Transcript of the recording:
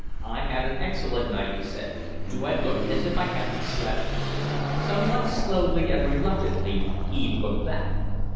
"I had an excellent night," he said. "Do I look as if I hadn't slept?" Somewhat slowly and reluctantly Eve looked back.